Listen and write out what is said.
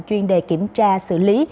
chuyên đề kiểm tra xử lý